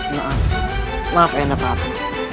maaf maaf ayah anda perhatikan aku